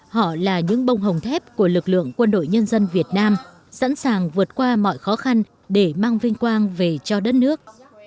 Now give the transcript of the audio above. họ là những bông hồng thép của lực lượng quân đội nhân dân việt nam sẵn sàng vượt qua mọi khó khăn để mang vinh quang về cho đất nước